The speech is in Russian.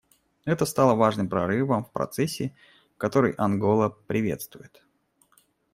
Это стало важным прорывом в процессе, который Ангола приветствует.